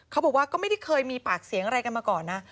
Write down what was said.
เขาบอกว่าก็ไม่เคยมีปากเสียงอะไรกันมาก่อน